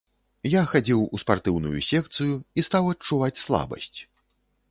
Я хадзіў у спартыўную секцыю, і стаў адчуваць слабасць.